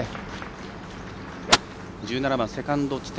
１７番、セカンド地点。